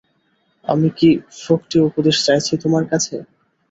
আমি কি ফোকটে উপদেশ চাইছি তোমার কাছে।